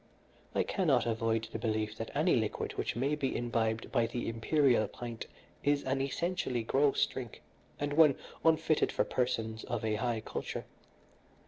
I cannot avoid the belief that any liquid which may be imbibed by the imperial pint is an essentially gross drink, and one unfitted for persons of a high culture.